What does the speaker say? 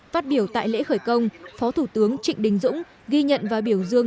phát biểu tại lễ khởi công phó thủ tướng trịnh đình dũng ghi nhận và biểu dương